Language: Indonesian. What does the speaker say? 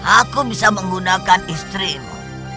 aku bisa menggunakan istrimu